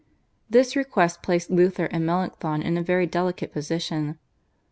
This request placed Luther and Melanchthon in a very delicate position.